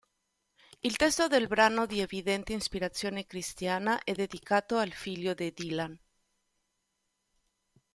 Il testo del brano, di evidente ispirazione cristiana, è dedicato al figlio di Dylan.